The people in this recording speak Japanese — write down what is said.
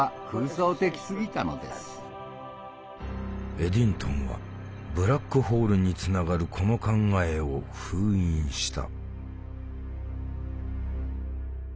エディントンはブラックホールにつながるこの考えを封印した。